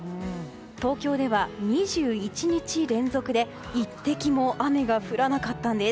東京では２１日連続で一滴も雨が降らなかったんです。